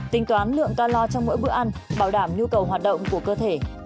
tính toán lượng ca lo trong mỗi bữa ăn bảo đảm nhu cầu hoạt động của cơ thể